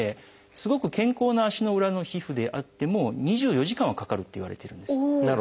すごく健康な足の裏の皮膚であっても２４時間はかかるっていわれてるんです。